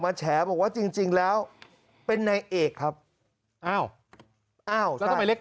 มาแฉบอกว่าจริงแล้วเป็นในเอกครับอ้าวอ้าวแล้วทำไมเรียก